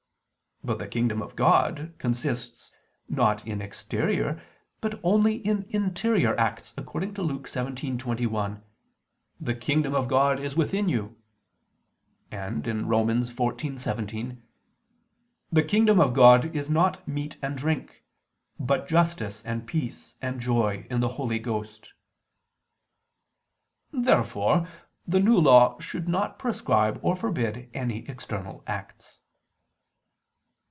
But the kingdom of God consists not in exterior, but only in interior acts, according to Luke 17:21: "The kingdom of God is within you"; and Rom. 14:17: "The kingdom of God is not meat and drink; but justice and peace and joy in the Holy Ghost." Therefore the New Law should not prescribe or forbid any external acts.